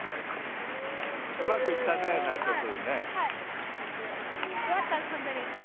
うまくいったね内藤君。